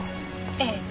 ええ。